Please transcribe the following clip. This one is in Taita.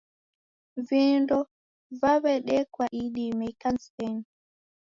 Vindo vaw'edekwa idime ikanisenyi